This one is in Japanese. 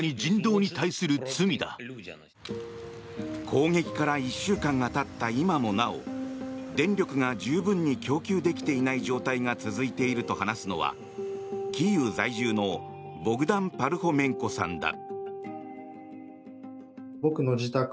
攻撃から１週間がたった今もなお電力が十分に供給できていない状態が続いていると話すのはキーウ在住のボグダン・パルホメンコさんだ。